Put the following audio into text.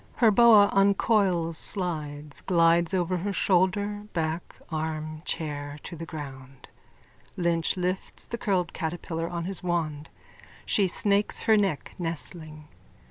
Her boa uncoils, slides, glides over her shoulder, back, arm, chair to the ground. Lynch lifts the curled catterpillar on his wand. She snakes her neck, nestling.